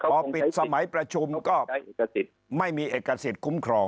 พอปิดสมัยประชุมก็ไม่มีเอกสิทธิ์คุ้มครอง